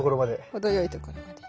程よいとこまで。